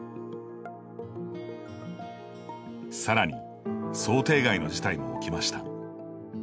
さらに、想定外の事態も起きました。